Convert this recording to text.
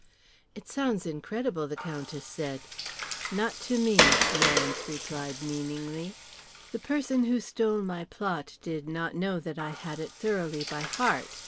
"It sounds incredible," the Countess said. "Not to me," Lawrence replied meaningly. "The person who stole my plot did not know that I had it thoroughly by heart.